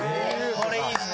これいいっすね。